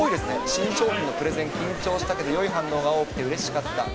新商品のプレゼン、緊張したけど、よい反応が多くて、うれしかった。